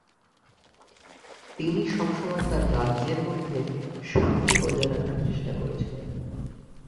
তিনি সব সময় তার রাজ্যের মধ্যে শান্তি বজায় রাখার চেষ্টা করেছেন।